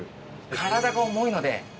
体が重いので。